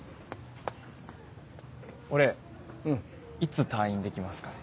俺いつ退院できますかね？